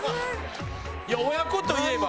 いや親子といえば。